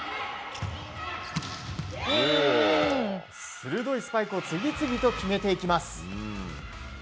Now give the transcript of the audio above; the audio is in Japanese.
鋭いスパイクを次々と決めていきます。